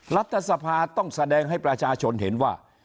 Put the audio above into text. รัฐสภาต้องแสดงให้ประชาชนเห็นว่า